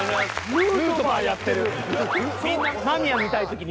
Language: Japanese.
ヌートバーやってる。